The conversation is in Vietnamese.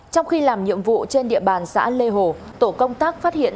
trong khi làm nhiệm vụ trên địa bàn xã lê hồ tổ công tác phát hiện